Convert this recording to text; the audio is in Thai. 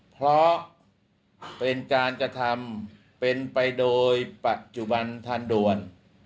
เพราะเป็นการกระทำเป็นไปโดยปัจจุบันทันด่วน